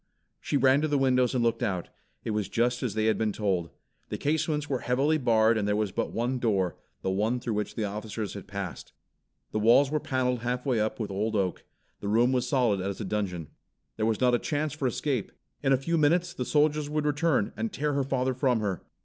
She ran to the windows and looked out. It was just as they had been told. The casements were heavily barred and there was but one door, the one through which the officers had passed. The walls were paneled half way up with old oak. The room was solid as a dungeon. There was not a chance for escape. In a few minutes the soldiers would return and tear her father from her.